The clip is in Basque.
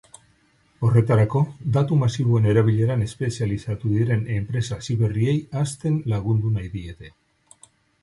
Horretarako, datu masiboen erabileran espezializatu diren enpresa hasiberriei hazten lagundu nahi diete.